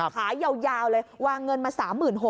ขายาวเลยวางเงินมา๓๖๐๐